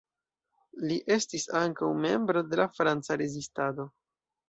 Li estis ankaŭ membro de la Franca rezistado.